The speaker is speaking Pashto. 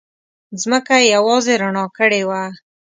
ځمکه یې یوازې رڼا کړې وه.